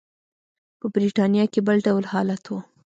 په برېټانیا کې بل ډول حالت و.